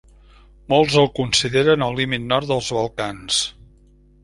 Molts el consideren el límit nord dels Balcans.